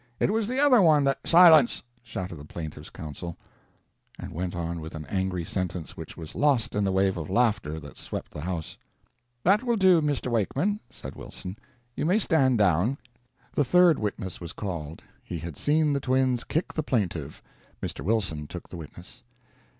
It was the other one that " "Silence!" shouted the plaintiff's counsel, and went on with an angry sentence which was lost in the wave of laughter that swept the house. "That will do, Mr. Wakeman," said Wilson, "you may stand down." The third witness was called. He had seen the twins kick the plaintiff. Mr. Wilson took the witness.